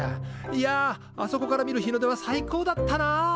いやあそこから見る日の出は最高だったな。